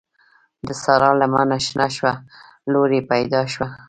د سارا لمنه شنه شوه؛ لور يې پیدا شوه.